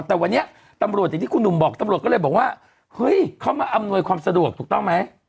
แต่วันนี้ตำรวจอย่างที่คุณหนุ่มบอกตำรวจก็เลยบอกว่าเฮ้ยเขามาอำนวยความสะดวกถูกต้องไหม